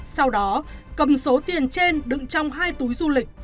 sau đó cầm số tiền trên đựng trong hai túi du lịch